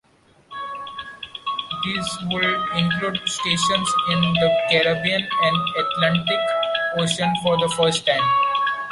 These would include stations in the Caribbean and Atlantic Ocean for the first time.